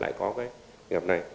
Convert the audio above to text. lại có cái nghiệp này